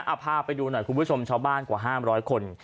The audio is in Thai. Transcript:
อัพภาพไปดูหน่อยคุณผู้ชมชาวบ้านกว่าห้ามร้อยคน